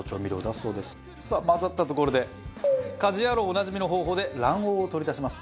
さあ混ざったところで『家事ヤロウ！！！』おなじみの方法で卵黄を取り出します。